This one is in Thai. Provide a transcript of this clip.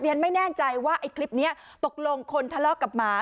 ไม่แน่ใจว่าไอ้คลิปนี้ตกลงคนทะเลาะกับหมา